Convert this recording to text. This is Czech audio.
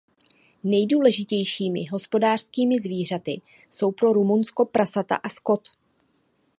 Nejdůležitějšími hospodářskými zvířaty jsou pro Rumunsko prasata a skot.